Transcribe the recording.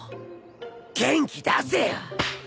元気出せよ！